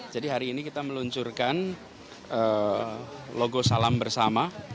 jadi hari ini kita meluncurkan logo salam bersama